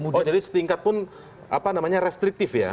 jadi setingkat pun restriktif ya